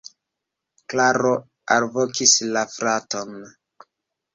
Klaro alvokis la fraton.